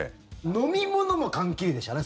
飲み物も缶切りでしたね